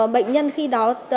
bệnh nhân khi đó